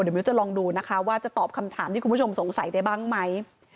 เดี๋ยวมิ้วจะลองดูนะคะว่าจะตอบคำถามที่คุณผู้ชมสงสัยได้บ้างไหม